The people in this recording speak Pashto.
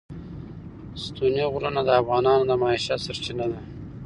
ستوني غرونه د افغانانو د معیشت سرچینه ده.